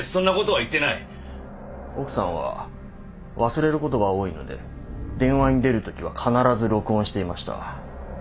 奥さんは忘れることが多いので電話に出るときは必ず録音していました。